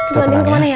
bu andin kemana ya